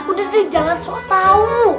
udah jangan soal tahu